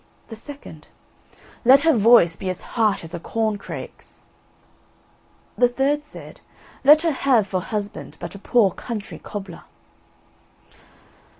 The second: "Let her voice be as harsh as a corn crake's." The third said: "Let her have for husband but a poor country cobbler."